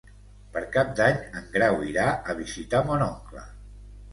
Per Cap d'Any en Grau irà a visitar mon oncle.